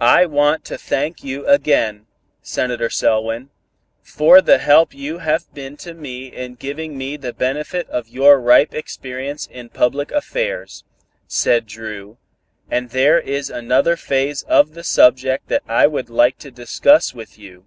"I want to thank you again, Senator Selwyn, for the help you have been to me in giving me the benefit of your ripe experience in public affairs," said Dru, "and there is another phase of the subject that I would like to discuss with you.